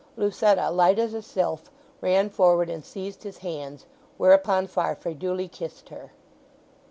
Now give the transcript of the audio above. Lucetta, light as a sylph, ran forward and seized his hands, whereupon Farfrae duly kissed her.